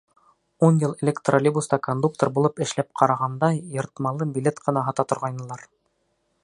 Ун йыл элек троллейбуста кондуктор булып эшләп ҡарағанда йыртмалы билет ҡына һата торғайнылар.